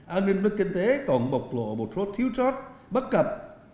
an ninh bất kinh tế còn bộc lộ một số thiếu trót bất cập